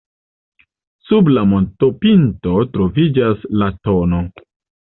Sub la montopinto troviĝas la tn.